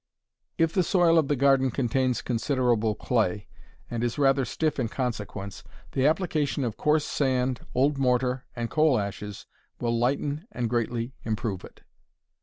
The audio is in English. If the soil of the garden contains considerable clay, and is rather stiff in consequence, the application of coarse sand, old mortar, and coal ashes will lighten and greatly improve it.